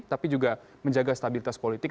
tapi juga menjaga stabilitas politik